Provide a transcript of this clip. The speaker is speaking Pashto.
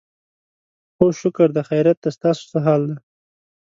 هو شکر دی، خیریت دی، ستاسو څه حال دی؟